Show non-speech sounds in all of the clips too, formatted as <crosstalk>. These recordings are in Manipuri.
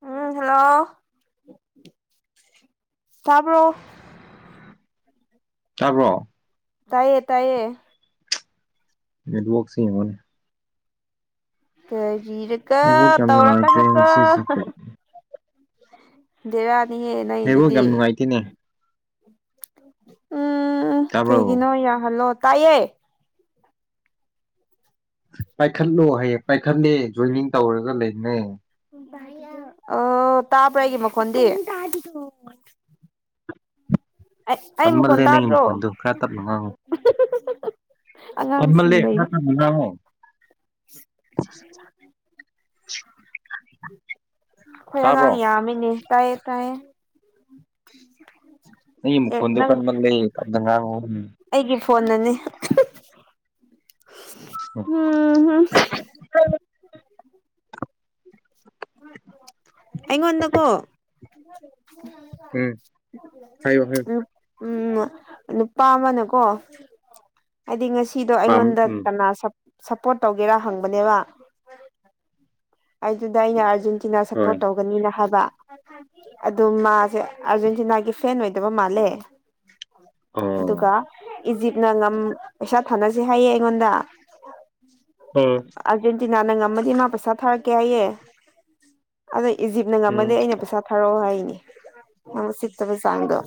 ꯎꯝ ꯍꯜꯂꯣ ꯇꯥꯕ꯭ꯔꯣ ꯇꯥꯕ꯭ꯔꯣ ꯇꯥꯏꯌꯦ ꯇꯥꯏꯌꯦ ꯅꯦꯠ ꯋꯥꯛꯁꯤ ꯌꯦꯡꯉꯨꯅꯦ ꯀꯔꯤꯔꯀꯣ ꯅꯦꯠꯋꯥꯛ ꯌꯥꯝ ꯅꯨꯡꯉꯥꯏꯇ꯭ꯔꯦ ꯇꯧꯔꯀꯅꯨ ꯀꯣ ꯉꯁꯤꯁꯦ ꯗꯦꯔꯥꯅꯤꯍꯦ ꯅꯦꯠꯋꯥꯛ ꯅꯪꯒꯤꯗꯨꯗꯤ ꯌꯥꯝ ꯅꯨꯡꯉꯥꯏꯇꯦꯅꯦ ꯎꯝ ꯇꯥꯕ꯭ꯔꯣ ꯀꯩꯒꯤꯅꯣ ꯌꯥ ꯍꯜꯂꯣ ꯇꯥꯏꯌꯦ ꯄꯥꯏꯈꯠꯂꯣ ꯍꯥꯏꯌꯦ ꯄꯥꯏꯈꯠꯂꯦ ꯖꯣꯏꯅꯤꯡ ꯇꯧꯔꯒ ꯂꯩꯕꯅꯦ ꯑ ꯇꯥꯕ꯭ꯔ ꯑꯩꯒꯤ ꯃꯈꯣꯟꯗꯤ ꯑꯩ ꯑꯩ ꯃꯈꯣꯟ ꯀꯟꯃꯜꯂꯦ ꯅꯪꯒꯤ ꯇꯥꯗ꯭ꯔꯣ ꯃꯈꯣꯟꯗꯣ ꯈꯔ ꯇꯞꯅ ꯉꯥꯡꯉꯣ ꯑꯉꯥꯡꯁꯤꯡ ꯀꯟꯃꯜꯂꯦ ꯈꯔ ꯂꯩꯕ ꯇꯞꯅ ꯉꯥꯡꯉꯣ INAUDIBLE ꯑꯩꯈꯣꯏ ꯇꯥꯕ꯭ꯔꯣ ꯑꯉꯥꯡ ꯌꯥꯝꯃꯤꯅꯦ ꯇꯥꯏꯌꯦ ꯇꯥꯌꯦ ꯅꯪꯒꯤ ꯃꯈꯣꯟꯗꯨ ꯀꯟꯃꯟꯂꯦ ꯇꯞꯅ ꯉꯥꯡꯉꯨ ꯑꯩꯒꯤ ꯐꯣꯟꯅꯅꯤ INAUDIBLE ꯑꯩꯉꯣꯟꯗꯥꯀꯣ ꯎꯝ ꯍꯥꯏꯌꯣ ꯍꯥꯏꯌꯣ ꯎꯝ ꯅꯨꯄꯥ ꯑꯃꯥꯅꯀꯣ ꯍꯥꯏꯗꯤ ꯉꯁꯤ ꯁꯤꯗꯣ ꯄꯥꯝ ꯑꯩꯉꯣꯟꯗ ꯎꯝ ꯀꯅꯥ ꯁꯞ ꯁꯞꯄꯣꯔꯠ ꯇꯧꯒꯦꯔꯥ ꯍꯪꯕꯅꯦꯕ ꯑꯗꯨꯗꯨꯗ ꯑꯩꯅ ꯑꯥꯔꯖꯦꯟꯇꯤ ꯍꯣꯏ ꯁꯞꯄꯣꯔꯠ ꯇꯧꯒꯅꯤꯅ ꯍꯥꯏꯕ ꯑꯗꯨ ꯃꯥꯖꯦ ꯑꯥꯔꯖꯦꯟꯇꯤꯅꯥꯒꯤ ꯐꯦꯟ ꯑꯣꯏꯗꯕ ꯃꯥꯜꯂꯦ ꯑꯣ ꯑꯗꯨꯒ ꯏꯖꯤꯞꯅ ꯉꯝ ꯄꯩꯁꯥ ꯊꯥꯅꯥꯁꯤ ꯍꯥꯏꯌꯦ ꯑꯩꯉꯣꯟꯗ ꯑꯣ ꯑꯥꯔꯖꯦꯟꯇꯤꯅꯥꯅ ꯉꯝꯃꯗꯤ ꯃꯥ ꯄꯩꯁꯥ ꯊꯥꯔꯛꯀꯦ ꯍꯥꯏꯌꯦ ꯑꯗꯩ ꯏꯖꯤꯞꯅ ꯎꯝ ꯉꯝꯃꯗꯤ ꯑꯩꯅ ꯄꯩꯁꯥ ꯊꯥꯔꯛꯑꯣ ꯍꯥꯏꯅꯦ ꯃꯥ ꯎꯁꯤꯠꯇꯕ ꯆꯥꯡꯗꯣ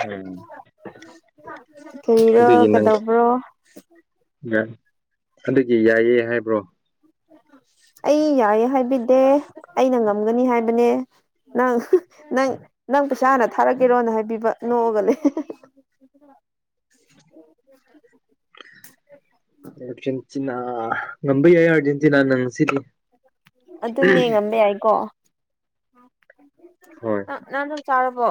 ꯎꯝ ꯀꯔꯤꯔꯣ-ꯀꯩꯗꯧꯕ꯭ꯔꯣ ꯌꯥ ꯑꯗꯨꯗꯤ ꯌꯥ ꯏꯌꯦ ꯍꯥꯏꯕ꯭ꯔꯣ ꯑꯩ ꯌꯥꯏꯌꯦ ꯍꯥꯏꯕꯗꯤ ꯑꯩꯅ ꯉꯝꯒꯅꯤ ꯍꯥꯏꯕꯅꯦ ꯅꯪ ꯅꯪ ꯅꯪ ꯄꯩꯁꯥ ꯍꯥꯟꯅ ꯊꯥꯔꯛꯀꯦꯔꯣꯅ ꯍꯥꯏꯕꯤꯕꯥ ꯅꯣꯛꯑꯒ ꯂꯩꯌꯦ INAUDIBLE ꯑꯥꯔꯖꯦꯟꯇꯤꯅꯥ ꯉꯝꯕ ꯌꯥꯏ ꯑꯥꯔꯖꯦꯟꯇꯤꯅꯥꯅ ꯉꯁꯤꯗꯤ ꯑꯗꯨꯅꯦꯉꯝꯕ ꯌꯥꯏꯀꯣ ꯍꯣꯏ ꯑꯥ ꯅꯥ ꯆꯥꯔꯕꯣ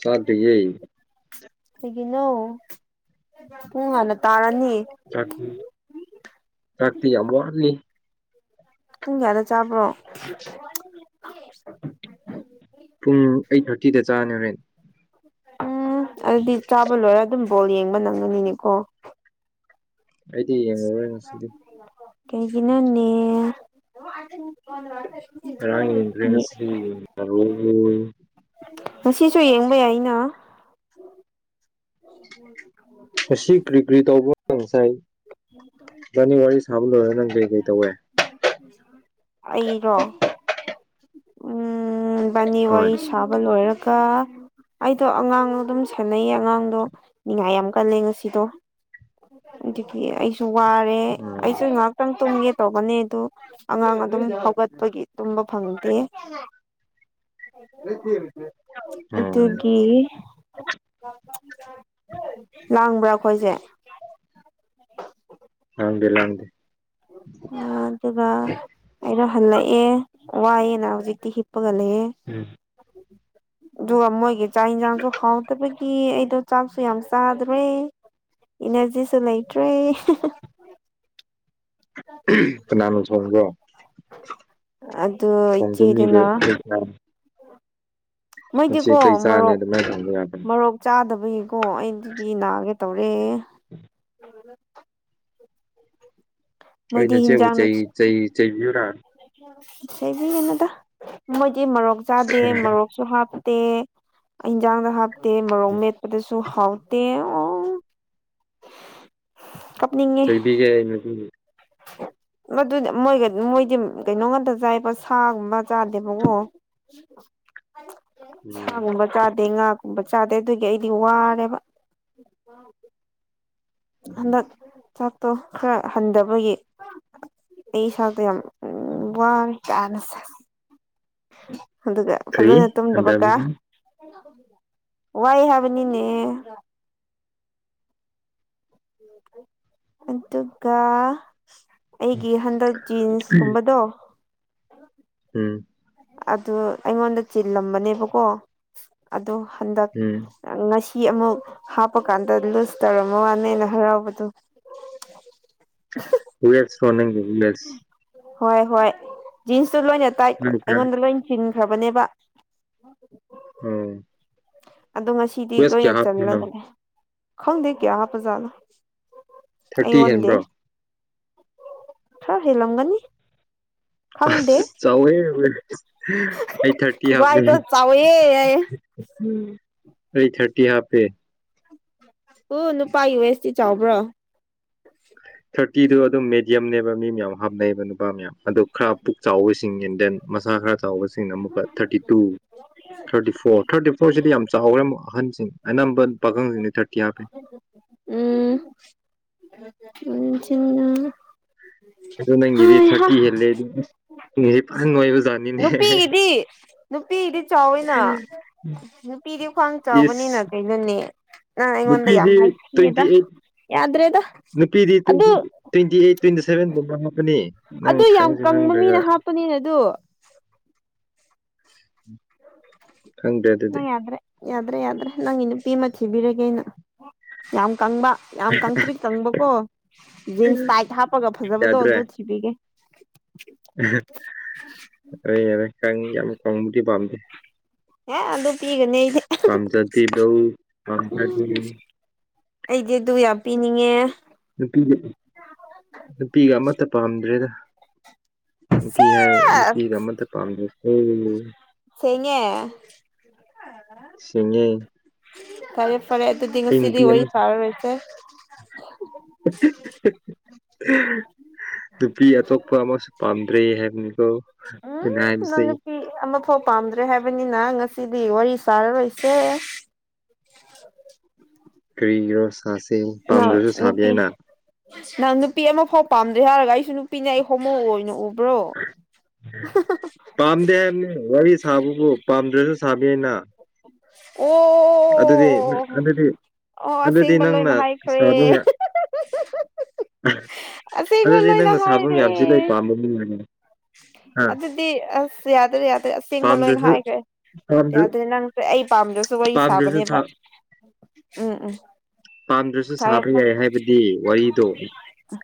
ꯆꯥꯗ꯭ꯔꯤꯌꯦ ꯀꯩꯒꯤꯅꯣ ꯄꯨꯡ ꯍꯥꯟꯅ ꯇꯥꯔꯅꯤ ꯆꯥꯛꯇꯤ- ꯆꯥꯛꯇꯤꯌꯥꯝ ꯋꯥꯠꯂꯤ ꯄꯨꯡ ꯀꯌꯥꯗ ꯆꯥꯕ꯭ꯔꯣ ꯄꯨꯡ ꯑꯩꯠ ꯊꯥꯔꯇꯤꯗ ꯆꯥꯅꯦ ꯍꯥꯏ ꯎꯪꯝ ꯑꯗꯨꯗꯤ ꯆꯥꯕ ꯂꯣꯏꯔ ꯑꯗꯨꯝ ꯕꯣꯜ ꯌꯦꯡꯕ ꯅꯪꯒꯅꯤꯅꯦꯀꯣ ꯑꯩꯗꯤ ꯌꯦꯡꯉꯔꯣꯏ ꯉꯁꯤꯗꯤ ꯀꯩꯒꯤꯅꯣꯅꯦ UNINTELLIGIBLE ꯉꯁꯤꯁꯨ ꯌꯦꯡꯕ ꯌꯥꯢꯅꯥ꯬ ꯑꯁꯤ ꯀ꯭ꯔꯤ ꯀ꯭ꯔꯤ ꯇꯧꯕ ꯉꯁꯥꯏ ꯏꯕꯥꯅꯤ ꯋꯥꯔꯤ ꯁꯥꯕ ꯂꯣꯏꯔ ꯂꯩ ꯀꯩ ꯀꯩ ꯇꯧꯋꯦ ꯑꯩꯗꯣ ꯎꯝꯎꯝ ꯕꯥꯅꯤ ꯍꯣꯏ ꯋꯥꯔꯤ ꯁꯥꯕ ꯂꯣꯏꯔꯀꯥ ꯑꯩꯗꯣ ꯑꯉꯥꯡꯗꯣ ꯑꯗꯨꯝ ꯁꯦꯅꯩꯌꯦ ꯑꯉꯥꯡꯗꯣ ꯅꯤꯡꯅꯤꯉꯥꯏ ꯌꯥꯝ ꯀꯜꯂꯦ ꯉꯁꯤꯗꯣ ꯑꯗꯨꯒꯤ ꯑꯩꯖꯨ ꯋꯥꯔꯦ ꯎꯝ ꯑꯩꯖꯨ ꯉꯍꯥꯛꯇꯪ ꯇꯨꯝꯒꯦ ꯇꯧꯕꯅꯦ ꯑꯗꯨ ꯑꯉꯥꯡ ꯇꯨꯝ ꯍꯧꯒꯠꯄꯒꯤ ꯇꯨꯝꯕ ꯐꯪꯗꯦ ꯎꯝ ꯑꯗꯨꯒꯤꯢ ꯂꯥꯡꯕ꯭ꯔꯥ ꯑꯈꯣꯏꯖꯦ INAUDIBLE INAUDIBLE ꯑꯥ ꯑꯗꯨꯒ ꯑꯩꯗꯣ ꯍꯜꯂꯛꯑꯦ ꯋꯥꯏꯑꯦꯅ ꯍꯧꯖꯤꯛꯇꯤ ꯍꯤꯞꯄꯒ ꯂꯩꯑꯦ ꯎꯝ ꯑꯗꯨꯒ ꯃꯣꯏꯒꯤ ꯆꯥꯛ ꯌꯦꯟꯁꯥꯡꯁꯨ ꯍꯥꯎꯗꯕꯒꯤ ꯑꯩꯗꯣ ꯆꯥꯛꯁꯨ ꯌꯥꯝ ꯆꯥꯗ꯭ꯔꯦ ꯏꯟꯅꯔꯖꯤꯁꯨ ꯂꯥꯏꯇ꯭ꯔꯦ ꯍꯤꯍꯤ ꯀꯅꯥꯅꯣ ꯊꯣꯡꯕꯣ ꯑꯗꯨ ꯊꯣꯡꯕ ꯃꯤꯗꯣ ꯏꯆꯦꯗꯨꯅ ꯅꯣ ꯃꯣꯏꯗꯤꯀꯣ ꯆꯥꯅꯤ ꯃꯣꯔꯣꯛ ꯑꯗꯨꯃꯥꯏꯅ ꯊꯣꯡꯕ ꯌꯥꯕꯅꯤ ꯃꯔꯣꯔꯣꯛ ꯆꯥꯗꯕꯒꯤ ꯑꯣ ꯑꯩ ꯑꯗꯨꯗꯤ ꯅꯥꯒꯦ ꯇꯧꯔꯦ ꯑꯩꯅꯦ ꯅꯆꯦꯕꯨ ꯆꯩ ꯆꯩ ꯆꯩꯕꯤꯌꯨꯔ ꯆꯩꯖꯤꯒꯅꯣꯗ ꯃꯣꯏꯗꯤ ꯃꯔꯣꯔꯣꯛ ꯆꯥꯗꯦ ꯃꯔꯣꯔꯣꯛꯁꯨ ꯍꯥꯞꯄ ꯇꯦ ꯏꯟꯖꯥꯡꯗ ꯍꯥꯞꯇꯦ ꯃꯔꯣꯡ ꯃꯦꯠꯄꯗꯁꯨ ꯗꯨ ꯍꯥꯎꯇꯦ ꯑꯣ ꯆꯩꯕꯤꯒꯦ ꯑꯩꯅꯗꯤ ꯃꯗꯨꯗꯤ ꯃꯣꯏꯒ ꯃꯣꯏꯗꯤ ꯀꯩꯅꯣ ꯉꯇ ꯆꯥꯏꯕ ꯁꯥꯒꯨꯝꯕ ꯆꯥꯗꯦ ꯃꯉꯣ ꯎꯝ ꯁꯥꯒꯨꯝꯕ ꯆꯥꯗꯦ ꯉꯥꯒꯨꯝꯕ ꯆꯥꯗꯦ ꯑꯗꯨꯒꯤ ꯑꯩꯗꯤ ꯋꯥꯔꯦꯕ ꯍꯟꯗꯛ ꯆꯥꯛꯇꯣ ꯈꯔ ꯍꯟꯊꯕꯒꯤ ꯑꯩ ꯆꯥꯛꯇꯣ ꯌꯥꯝ ꯎꯝ ꯋꯥ ꯀꯥꯏꯅ ꯁꯦꯁ ꯑꯗꯨꯒ ꯀꯔꯤ ꯐꯖꯅ ꯇꯨꯝ ꯗꯕꯀꯣ ꯍꯟꯗꯕꯒꯤ ꯋꯥꯏ ꯍꯥꯏꯕꯅꯤꯅꯦ ꯑꯗꯨꯒ ꯑꯩꯒꯤ ꯍꯟꯗꯛ ꯖꯤꯟꯁꯀꯨꯝꯕꯗꯣ ꯍꯝ ꯑꯗꯨ ꯑꯩꯉꯣꯟꯗ ꯆꯤꯜꯂꯝꯕꯅꯦꯕꯀꯣ ꯑꯗꯨ ꯍꯟꯗꯛ ꯎꯝ ꯉꯁꯤ ꯐꯤ ꯑꯃꯨꯛ ꯍꯥꯞꯄꯀꯥꯟꯗ ꯂꯨꯖ ꯇꯧꯔꯝꯕ ꯋꯥꯅꯦꯅ ꯍꯔꯥꯎꯕꯗꯨ ꯌꯦꯠꯌ ꯅꯪꯒꯤ ꯂꯦꯁ ꯍꯣꯏ ꯍꯣꯏ ꯖꯤꯟꯁꯇ ꯂꯣꯏ ꯇꯥꯏ ꯑꯩꯉꯣꯟꯗꯂꯣꯏ ꯈ꯭ꯔꯕꯅꯦꯕ ꯑꯣ ꯑꯗꯣ ꯉꯁꯤꯗꯤ ꯀ꯭ꯋꯦꯁ ꯀꯌꯥ ꯂꯣꯏꯅ ꯍꯥꯞꯄꯅꯣ ꯆꯜꯂꯒꯅꯦ ꯈꯪꯗꯦ ꯀꯌꯥ ꯍꯥꯄꯖꯥꯠꯅꯣ ꯊꯔꯇꯤ ꯍꯦꯟꯕ꯭ꯔꯣ ꯈꯔ ꯍꯦ ꯂꯝꯒꯅꯤ ꯑꯁ ꯆꯥꯎꯋꯦ <unintelligible> ꯑꯩ ꯊꯥꯔꯇꯤ ꯍꯥꯞꯄꯦ ꯈꯨꯕꯥꯏꯗꯣ ꯆꯥꯎꯋꯦ ꯌꯥꯏꯌꯦ ꯑꯩ ꯊꯥꯔꯇꯤ ꯍꯥꯞꯄꯦ ꯎ ꯅꯨꯄꯥꯒꯤ ꯋꯦꯁꯇꯤ ꯆꯥꯎꯕ꯭ꯔꯥ ꯊꯥꯔꯇꯤꯗꯨ ꯑꯗꯨꯝ ꯃꯤꯠ ꯌꯝꯅꯦꯕ ꯃꯤ ꯃꯌꯥꯝ ꯍꯥꯞꯅꯩꯕ ꯅꯨꯄꯥ ꯃꯌꯥꯝ ꯑꯗ ꯈꯔ ꯄꯨꯛ ꯆꯥꯎꯕꯁꯤꯡ ꯏꯟ ꯗꯦꯟ ꯃꯁꯥ ꯈꯔ ꯆꯥꯎꯕꯁꯤꯡꯅ ꯑꯃꯨꯛꯀ thirty two thirty four thirty ꯐꯣꯔꯁꯤꯗꯤ ꯌꯥꯝ ꯆꯥꯎꯈꯔꯦ ꯑꯃꯨꯛ ꯄꯥꯈꯟꯁꯤꯡ ꯑꯅꯝꯕ ꯄꯥꯈꯪꯁꯤꯡꯗꯤ ꯊꯥꯔꯇꯤ ꯍꯥꯞꯄꯦ ꯎꯝ ꯅꯨꯡꯊꯤꯟꯅ ꯑꯗꯨ ꯅꯪꯒꯤꯗꯤ ꯊꯥꯔꯇꯤ ꯍꯦꯜꯂꯦ <unintelligible> ꯅꯪꯒꯤꯖꯦ ꯐꯖꯟ ꯅꯣꯏꯕ ꯅꯨꯄꯤꯒꯤꯗꯤ ꯅꯨꯄꯤꯗꯤ ꯆꯥꯎꯋꯤꯅ ꯅꯨꯄꯤꯗꯤ ꯈ꯭ꯋꯥꯡ ꯆꯥꯎꯕꯅꯤꯅ ꯏꯁ ꯀꯩꯅꯣꯅꯦ ꯅꯪ ꯑꯩꯉꯣꯟꯗ ꯌꯥꯝ ꯅꯨꯄꯤꯗꯤ ꯇ꯭ꯋꯦꯟꯇꯤ ꯍꯥꯢꯊꯤꯌꯦꯗ ꯑꯩꯠ ꯌꯥꯗ꯭ꯔꯦꯗ ꯅꯨꯄꯤꯗꯤ ꯑꯗꯨ ꯇ꯭ꯋꯦꯟꯇꯤ ꯇ꯭ꯋꯦꯟꯇꯤ ꯑꯩꯠ ꯇ꯭ꯋꯦꯟꯇꯤ ꯁꯚꯦꯟꯒꯨꯝꯕ ꯍꯥꯞꯀꯅꯤ ꯑꯗꯨ ꯌꯥꯝ ꯀꯪꯕ ꯃꯤꯅ ꯍꯥꯞꯄꯅꯤꯅ ꯗꯨ ꯈꯪꯗꯦ ꯅꯪ ꯑꯗꯨꯗꯤ ꯌꯥꯗ꯭ꯔꯦ ꯌꯥꯗ꯭ꯔꯦ ꯌꯥꯗ꯭ꯔꯦ ꯅꯪꯒꯤ ꯅꯨꯄꯤ ꯑꯃ ꯊꯤꯕꯤꯔꯒꯦ ꯑꯩꯅ ꯌꯥꯝ ꯀꯪꯕ ꯌꯥꯝ ꯀꯪꯇ꯭ꯔꯤ ꯀꯪꯕꯀꯣ ꯖꯤꯟꯁ ꯇꯥꯏꯠ ꯍꯥꯞꯄꯒ ꯐꯖꯕꯗꯣ ꯑꯗꯨ ꯊꯤꯕꯤꯒꯦ <unintelligible> ꯍꯣꯏ ꯌꯥꯔꯦ ꯀꯪ ꯌꯥꯝ ꯀꯪꯕꯗꯤ ꯄꯥꯝꯗꯦ ꯑꯦ ꯑꯗꯨ ꯄꯤꯒꯅꯤ ꯄꯥꯝꯖꯗꯦꯗꯣ ꯄꯥꯝꯖꯗꯦ ꯅꯤꯡꯉꯦ ꯅꯨꯄꯤꯒ ꯅꯨꯄꯤꯒ ꯑꯃꯇ ꯄꯥꯝꯗ꯭ꯔꯦꯗ ꯅꯨꯄꯤ ꯍꯥꯏ ꯁꯦꯁ ꯅꯨꯄꯤꯒ ꯑꯃꯇ ꯄꯥꯝꯗꯦ ꯎꯪ ꯁꯦꯡꯉꯦ ꯁꯤꯡꯉꯦ ꯇꯥꯏꯞ ꯇꯨꯗꯤ ꯑꯩ ꯉꯁꯤꯗꯤ ꯅꯨꯄꯤ ꯋꯥꯔꯤ ꯑꯃ ꯁꯥꯔꯔꯣꯢꯁꯦ <unintelligible> ꯅꯨꯄꯤ ꯑꯇꯣꯞꯄ ꯑꯃꯁꯨ ꯄꯥꯝꯗ꯭ꯔꯦ ꯍꯥꯏꯕꯅꯤꯀꯣ ꯎꯝ ꯑꯩꯅ ꯅꯪ ꯍꯥꯏꯕꯁꯤ ꯅꯨꯄꯤ ꯑꯃ ꯐꯥꯎ ꯄꯥꯝꯗ꯭ꯔꯦ ꯍꯥꯏꯕꯅꯤ ꯅ ꯉꯁꯤꯗꯤ ꯋꯥꯔꯤ ꯁꯥꯔꯔꯣꯏꯁꯦ ꯀ꯭ꯔꯤꯒꯤꯔꯣ ꯁꯥꯁꯦ ꯅꯪ ꯄꯥꯝꯗ꯭ꯔꯁꯨ ꯁꯥꯕ ꯅꯨꯄꯤ ꯌꯥꯏꯅ ꯅꯪ ꯅꯨꯄꯤ ꯑꯃꯐꯥꯎ ꯄꯥꯝꯗꯦ ꯍꯥꯏꯔꯒ ꯑꯩꯁꯨ ꯅꯨꯄꯤꯅꯦ ꯑꯩ ꯍꯣꯃꯣ ꯑꯣꯏꯅ ꯎ ꯄꯥꯝꯗꯦ ꯍꯥꯏꯝꯅꯦ ꯋꯥꯔꯤꯁ ꯁꯥꯕꯕꯨ ꯄꯥꯝꯗ꯭ꯔꯁꯨ ꯁꯥꯕ ꯌꯥꯢꯅ ꯑꯗꯨꯗꯤ ꯅ ꯑꯣ ꯑꯗꯨꯗꯤ ꯑꯣ ꯑꯗꯨꯗꯤ ꯑꯁꯦꯡꯕ ꯂꯣꯏꯅ ꯅꯪꯅ ꯍꯥꯏꯈ꯭ꯔꯦ ꯁꯥꯕ ꯌꯥ ꯑꯁꯦꯡꯕ ꯑꯗꯨꯗꯤ ꯂꯣꯏꯅ ꯅꯪꯅ ꯁꯥꯕ ꯍꯥꯏꯔꯦ ꯃꯌꯥꯝꯁꯤ ꯂꯣꯏ ꯄꯥꯝꯕ ꯃꯤꯅꯅꯦ ꯑ ꯑꯗꯨꯗꯤ ꯑꯁ ꯌꯥꯗ꯭ꯔꯦ ꯌꯥꯗ꯭ꯔꯦ ꯑꯁꯦꯡꯕ ꯂꯣꯏꯟ ꯄꯥꯝꯗ꯭ꯔꯁꯨ ꯍꯥꯏꯒ꯭ꯔꯦ ꯄꯥꯝꯗ꯭ꯔ ꯌꯥꯗꯦ ꯅꯪꯁꯦ ꯑꯩ ꯄꯥꯝꯗ꯭ꯔꯁꯨ ꯋꯥꯔꯤ ꯄꯥꯝꯗ꯭ꯔꯁꯨ ꯁꯥꯕꯅꯦꯕ ꯁꯥ ꯎꯝ ꯎꯝ ꯄꯥꯝꯗ꯭ꯔꯁꯨ ꯐꯔꯦ ꯁꯥꯕ ꯐꯔꯦ ꯌꯥꯏ ꯍꯥꯏꯕꯗꯤ ꯋꯥꯔꯤꯗꯣ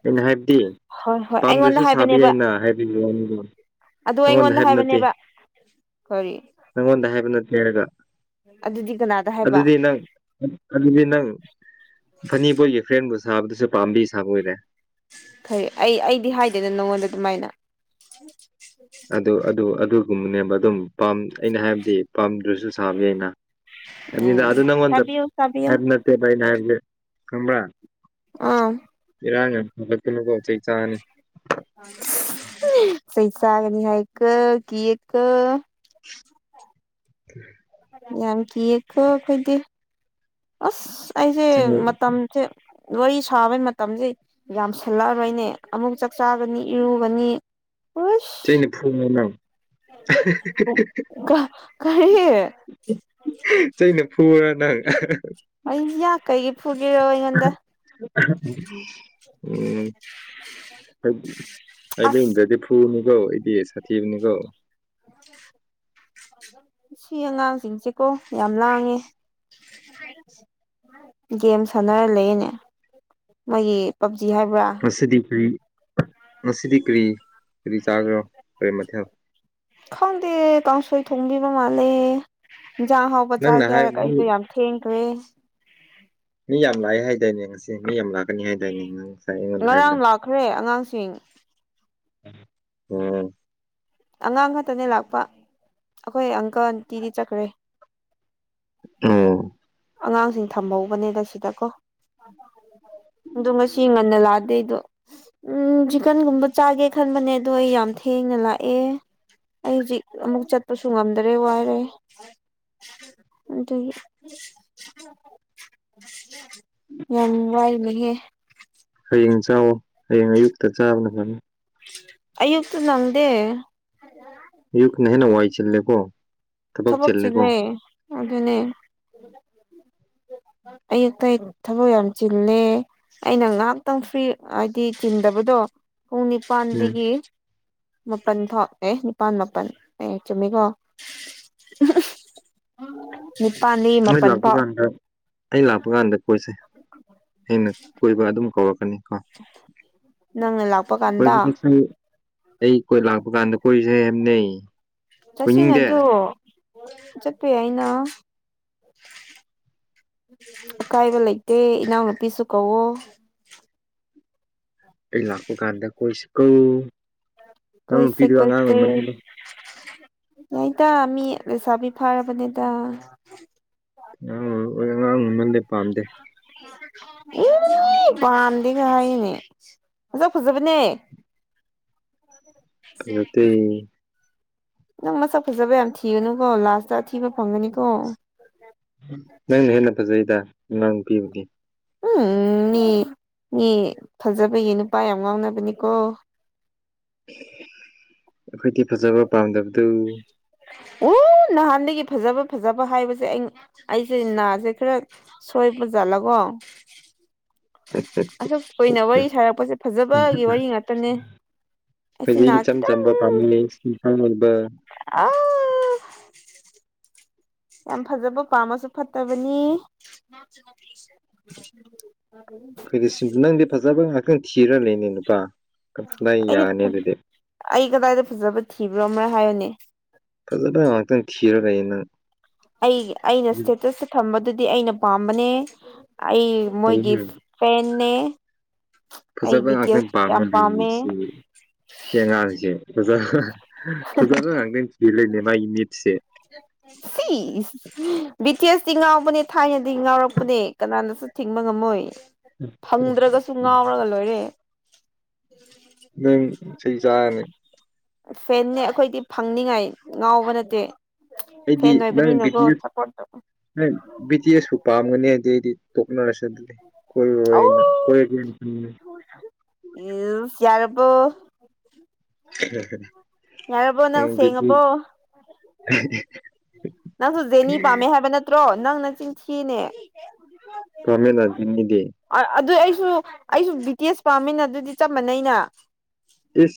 ꯑꯩꯅ ꯍꯥꯏꯕꯗꯤ ꯍꯣꯏ ꯍꯣꯏ ꯑꯩꯉꯣꯟꯗ ꯄꯥꯝꯗ꯭ꯔꯁꯨ ꯁꯥꯕ ꯍꯥꯏꯕꯅꯦꯕ ꯌꯥꯏꯅ ꯍꯥꯏꯕꯒꯤ ꯋꯥꯔꯤꯗꯣ ꯑꯗꯨ ꯅꯉꯣꯟꯗ ꯑꯩꯉꯣꯟꯗ ꯍꯥꯏꯕ ꯅꯠꯇꯦ ꯍꯥꯏꯕꯅꯦꯕ ꯀꯔꯤ ꯅꯉꯣꯟꯗ ꯍꯥꯏꯕ ꯅꯠꯇꯦ ꯍꯥꯏꯔꯒ ꯑꯗꯨꯗꯤ ꯀꯅꯥꯗ ꯍꯥꯏꯕ ꯑꯗꯨꯗꯤ ꯅꯪ ꯑꯗꯨꯗꯤ ꯅꯪ ꯐꯅꯤꯕꯣꯏꯒꯤ ꯐ꯭ꯔꯦꯟꯕꯨ ꯁꯥꯕꯗꯨꯁꯨ ꯄꯥꯝꯕꯤ ꯁꯥꯕ ꯑꯣꯏꯔꯦ ꯐꯩ ꯑꯩ ꯑꯩꯗꯤ ꯍꯥꯏꯗꯦꯅ ꯅꯪꯉꯣꯟꯗ ꯑꯗꯨꯃꯥꯏꯅ ꯑꯗꯨ ꯑꯗꯨ ꯑꯗꯨꯒꯨꯝꯕꯅꯦꯕ ꯑꯗꯨꯝ ꯑꯩꯅ ꯍꯥꯏꯕꯗꯤ ꯄꯥꯝꯗ꯭ꯔꯁꯨ ꯁꯥꯕ ꯌꯥꯏꯅ ꯑꯗꯨ ꯎꯝ ꯑꯗꯨ ꯅꯪꯉꯟꯗ ꯇꯥꯕꯤꯌꯨ ꯇꯥꯕꯤꯌꯨ ꯍꯥꯏꯕ ꯅꯠꯇꯦ ꯑꯩꯅ ꯍꯥꯏꯕꯗꯤ ꯈꯪꯑꯕ ꯑꯥ ꯆꯩ ꯆꯥꯅꯤ <unintelligible> ꯆꯒꯅꯤ ꯍꯥꯏꯀꯣ ꯀꯤꯀꯣ <inaudible> ꯌꯥꯝ ꯀꯤꯌꯦꯀꯣ ꯑꯩꯈꯣꯏꯗꯤ ꯑꯁ ꯑꯩꯁꯦ ꯆꯩ ꯃꯇꯝꯁꯦ ꯋꯥꯔꯤ ꯁꯥꯕꯩ ꯃꯇꯝꯁꯦ ꯌꯥꯝꯁꯜꯂꯛꯑꯔꯣꯏꯅꯦ ꯑꯃꯨꯛ ꯆꯥꯛ ꯆꯥꯒꯅꯤ ꯏꯔꯨꯒꯅꯤ <unintelligible> ꯑꯁ ꯍꯦꯍꯦꯍꯦꯍꯦ ꯀꯔꯤ ꯆꯩꯩꯅ ꯐꯨꯔꯥ ꯅꯪ ꯑꯌꯥ ꯀꯩꯒꯤ ꯐꯨꯒꯦꯔꯣ ꯑꯩꯉꯣꯟꯗ ꯎꯝ ꯑꯁ ꯍꯥꯏꯅꯤꯡꯗꯗꯤ ꯐꯨꯅꯤꯀꯣ ꯑꯩꯗꯤ ꯁꯥꯊꯤꯕꯅꯤꯀꯣ <inaudible> ꯁꯤ ꯑꯉꯥꯡꯁꯤꯡꯁꯤꯀꯣ ꯌꯥꯝ ꯂꯥꯡꯉꯦ ꯒꯦꯝ ꯁꯥꯟꯅꯔ ꯂꯩꯌꯦꯅꯦ ꯃꯣꯏꯒꯤ ꯍꯥꯏꯕ꯭ꯔꯥ ꯉꯁꯤꯗꯤ ꯀꯔꯤ ꯉꯁꯤꯗꯤ ꯀꯔꯤ ꯀꯔꯤ ꯆꯥꯒꯦꯔꯣ ꯀꯔꯤ ꯃꯊꯦꯜ ꯈꯪꯗꯤꯌꯦ ꯀꯥꯡꯁꯣꯏ ꯊꯣꯡꯕꯤꯕ ꯃꯥꯜꯂꯦ ꯍꯤꯟꯖꯥꯡ ꯑꯍꯥꯎꯕ ꯅꯪꯅ ꯆꯥꯒꯦ ꯍꯥꯏ ꯍꯥꯏꯔꯒ ꯃꯤ ꯑꯩꯗꯣ ꯌꯥꯝ ꯊꯦꯡꯈ꯭ꯔꯦ ꯃꯤ ꯌꯥꯝ ꯂꯥꯛꯑꯦ ꯍꯥꯏꯗꯥꯏꯅꯦ ꯉꯁꯤ ꯃꯤ ꯌꯥꯝ ꯂꯥꯛꯀꯅꯤ ꯍꯥꯏꯗꯥꯏꯅꯦ ꯑꯩꯉꯣꯟꯗ ꯉꯔꯥꯡ ꯍꯥꯏꯕꯗꯣ ꯂꯥꯛꯈ꯭ꯔꯦ ꯑꯉꯥꯡꯁꯤꯡ <unintelligible> ꯑꯉꯥꯡ ꯈꯛꯇꯅꯦ ꯂꯥꯛꯄ ꯑꯩꯈꯣꯏ ꯑꯪꯀꯜ ꯑꯟꯇꯤꯗꯤ ꯆꯠꯈ꯭ꯔꯦ ꯑꯣ ꯑꯉꯥꯡꯁꯤꯡ ꯊꯝꯍꯧꯕꯅꯦꯗ ꯁꯤꯗꯀꯣ ꯑꯗꯣ ꯉꯁꯤ ꯉꯟꯅ ꯂꯥꯛꯑꯗꯤ ꯑꯩꯗꯣ ꯎꯝ ꯆꯤꯛꯀꯟꯒꯨꯝꯕ ꯆꯥꯒꯦ ꯈꯟꯕꯅꯦ ꯑꯗꯣ ꯑꯩ ꯌꯥꯝ ꯊꯦꯡ ꯅꯥ ꯂꯥꯛꯑꯦ ꯑꯩ ꯍꯨꯖꯤꯛ ꯑꯃꯨꯛ ꯆꯠꯄꯁꯨ ꯉꯝꯗꯔꯦ ꯋꯥꯔꯦ ꯑꯗꯨꯒꯤ ꯌꯥꯝ ꯋꯥꯏꯅꯦꯍꯦ ꯍꯌꯦꯡ ꯆꯥꯋꯣ ꯍꯌꯦꯡ ꯑꯌꯨꯛꯇ ꯆꯥꯕꯅ ꯐꯅꯤ ꯑꯌꯨꯛꯇꯨ ꯅꯪꯗꯦ ꯑꯌꯨꯛꯅ ꯍꯦꯟꯅ ꯋꯥꯏ ꯆꯤꯜꯂꯦ ꯀꯣ ꯊꯕꯛ ꯆꯤꯜꯂꯦ ꯑꯗꯨꯅꯦ ꯑꯌꯨꯛꯇ ꯑꯩ ꯊꯕꯛ ꯌꯥꯝ ꯆꯤꯜꯂꯦ ꯑꯩꯅ ꯉꯍꯥꯛꯇꯪ ꯐ꯭ꯔꯤ ꯍꯥꯏꯗꯤ ꯆꯤꯟꯗꯕꯗꯣ ꯄꯨꯡ ꯎꯝ ꯅꯤꯄꯥꯟꯗꯒꯤ ꯃꯥꯄꯟ ꯐꯥꯎ ꯑꯦ ꯄꯥꯟ ꯃꯥꯄꯜ ꯑꯦ ꯆꯨꯝꯃꯤꯀꯣ ꯅꯤꯄꯥꯟꯗꯒꯤ ꯑꯩ ꯃꯥꯄꯟ ꯂꯥꯛꯄ ꯐꯥꯎ ꯀꯥꯟꯗ ꯑꯩ ꯂꯥꯛꯄ ꯀꯥꯟꯗ ꯀꯣꯏꯁꯦ ꯑꯩꯅ ꯀꯣꯏꯕ ꯑꯗꯨꯝ ꯀꯧꯔꯣ ꯅꯪꯅ ꯂꯥꯛꯄ ꯀꯥꯟꯗ ꯀꯣꯏꯕ ꯆꯠꯁꯤ ꯑꯩ ꯀꯣꯏ ꯂꯥꯛꯄ ꯀꯥꯟꯗ ꯀꯣꯏꯁꯦ ꯍꯥꯏꯝꯅꯦ ꯆꯠꯁꯤꯅꯗꯣ ꯆꯠꯄ ꯌꯥꯏꯅ ꯑꯀꯥꯏꯕ ꯂꯩꯇꯦ ꯏꯅꯥꯎꯅꯨꯄꯤꯁꯨ ꯀꯧꯋꯣ ꯑꯩ ꯂꯥꯛꯄ ꯀꯥꯟꯗ ꯀꯣꯏꯁꯤꯀꯣ ꯅꯅꯥꯎꯅꯨꯄꯤꯗꯨ ꯑꯉꯥꯡ ꯑꯣꯏꯃꯟꯂꯤꯅꯦ ꯑꯣꯏꯗ ꯃꯤ ꯂꯩꯁꯥꯕꯤ ꯐꯔꯕꯅꯤꯗ ꯑꯩ ꯑꯉꯥꯡ ꯑꯣꯏꯃꯟꯂꯦ ꯄꯥꯝꯗꯦ ꯎ ꯄꯥꯝꯗꯦꯒ ꯍꯥꯏꯌꯦꯅꯦ ꯃꯁꯛ ꯐꯖꯕꯅꯦ <inaudible> ꯐꯖꯇꯦ ꯅꯪ ꯃꯁꯛ ꯐꯖꯕ ꯌꯥꯝ ꯊꯤꯒꯅꯨꯀꯣ ꯂꯥꯁꯇ ꯑꯊꯤꯕ ꯐꯪꯒꯅꯤꯀꯣ ꯅꯪꯅ ꯍꯦꯟꯅ ꯐꯖꯩꯗ ꯅꯅꯥꯎꯅꯨꯄꯤꯕꯨꯗꯤ ꯎꯨꯝ ꯃꯤ ꯃꯤ ꯐꯖꯕꯒꯤ ꯅꯨꯄꯥ ꯌꯥꯝ ꯉꯥꯎꯅꯕꯅꯤꯀꯣ ꯑꯩꯈꯣꯏꯗꯤ ꯐꯖꯕ ꯄꯥꯝꯗꯕꯗꯨ ꯎ ꯅꯍꯥꯟꯗꯒꯤ ꯐꯖꯕ ꯐꯖꯕ ꯍꯥꯏꯕꯁꯦ ꯑꯩ ꯑꯩꯁꯦ ꯅꯥꯁꯦ ꯈꯔ ꯁꯣꯏ ꯄꯖꯥꯠꯂꯀꯣ ꯑꯁꯨꯛ ꯀꯨꯏꯅ ꯋꯥꯔꯤ ꯁꯥꯔꯛꯄꯁꯦ ꯐꯖꯕꯒꯤ ꯋꯥꯔꯤ ꯉꯥꯛꯇꯅꯦ ꯑꯩꯁꯦ ꯑꯩꯈꯣꯏꯗꯤ ꯅꯥ ꯏꯆꯝ ꯆꯝꯕ <unintelligible> ꯑꯥ ꯌꯥꯝ ꯐꯖꯕ ꯄꯥꯝꯃꯁꯨ ꯐꯠꯇꯕꯅꯦ ꯑꯩꯈꯣꯏꯗꯤ ꯁꯤꯝ ꯅꯪꯗꯤ ꯐꯖꯕ ꯉꯥꯛꯀ ꯊꯤꯔ ꯂꯩꯅꯦ ꯅꯨꯄꯥ ꯀꯗꯥꯏ ꯌꯥꯅꯤ ꯑꯩꯗꯤ ꯑꯗꯨꯗꯤ ꯑꯩ ꯀꯗꯥꯏꯗ ꯐꯖꯕ ꯊꯤꯕ꯭ꯔꯣ ꯑꯃꯔꯛ ꯍꯥꯏꯌꯨꯅꯦ ꯐꯖꯕ ꯉꯥꯛꯛꯇ ꯊꯤꯔ ꯂꯩꯌꯦ ꯅꯪ ꯑꯩ ꯑꯩꯅ ꯏꯁꯇꯦꯇꯁ ꯊꯝꯕꯗꯨꯗꯤ ꯑꯩꯅ ꯄꯥꯝꯕꯅꯦ ꯑꯩ ꯃꯣꯏꯒꯤ ꯐꯦꯟꯅꯦ ꯑꯩ ꯐꯖꯕ ꯕꯤ ꯇꯤ ꯉꯛꯇ ꯑꯦꯁ ꯌꯥꯝ ꯄꯝꯃꯗꯤ ꯄꯥꯝꯃꯦ ꯅꯨꯡꯁꯤ ꯁꯤ ꯑꯉꯥꯡꯁꯦ ꯐꯖꯕ ꯐꯖꯕ ꯉꯥꯛꯇ ꯊꯤ ꯂꯩꯅꯦ ꯃꯥꯒꯤ ꯅꯤꯠꯁꯦ <inaudible> ꯁꯤ ꯕ꯭ꯤꯇꯁꯇꯤ ꯉꯥꯎꯕꯅꯦ ꯊꯥꯏꯅꯗꯤ ꯉꯥꯎꯔꯛꯄꯅꯦ ꯀꯅꯥꯅꯁꯨ ꯊꯤꯡꯕ ꯉꯝꯃꯣꯏ ꯐꯪꯗ꯭ꯔꯒꯁꯨ ꯉꯥꯎꯔꯒ ꯂꯣꯏꯔꯦ ꯅꯪ ꯆꯩ ꯆꯔꯥꯅꯤ ꯐꯦꯟꯅꯦ ꯑꯩꯈꯣꯏꯗꯤ ꯐꯪꯅꯤꯡꯉꯥꯏ ꯉꯥꯎꯕ ꯅꯠꯇꯦ ꯑꯩꯗꯤ ꯐꯦꯟ ꯅꯪ ꯑꯣꯏꯕꯅꯤꯅꯀꯣ ꯕꯤꯗꯤ ꯁꯞꯄꯣꯔꯠ ꯇꯧ ꯅꯪ ꯕꯤꯗꯤ ꯑꯦꯁꯨ ꯄꯥꯝꯒꯅꯤ ꯍꯥꯏꯗꯤ ꯑꯩꯗꯤ ꯇꯣꯛꯅꯔꯁꯦ ꯑꯗꯨꯗꯤ ꯀꯣꯏꯔꯑꯣꯏ ꯅꯪ ꯑꯧ ꯀꯣꯏ ꯑꯣ <unintelligible> ꯌꯥꯔꯕꯣ ꯅꯪ ꯕꯤ ꯇꯤ ꯁꯦꯡꯉꯕꯣ ꯑꯦꯁ <inaudible> ꯅꯪꯁꯨ ꯖꯦꯅꯤ ꯄꯥꯝꯃꯦ ꯍꯥꯏꯕ ꯅꯠꯇ꯭ꯔꯣ ꯅꯪ ꯅꯆꯤꯟ ꯊꯤꯅꯦ ꯄꯝꯃꯦꯅ ꯖꯦꯅꯤꯗꯤ ꯁꯨ ꯑꯩꯁꯨ ꯕ꯭ꯔꯤꯇꯦꯁ ꯄꯥꯝꯃꯤꯅ ꯑꯗꯨꯗꯤ ꯆꯞ ꯃꯥꯟꯅꯩꯩꯅ ꯏꯁ